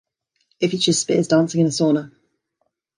It features Spears dancing in a sauna.